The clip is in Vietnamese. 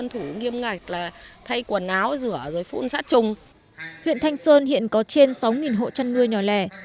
huyện thanh sơn hiện có trên sáu hộ chăn nuôi nhỏ lẻ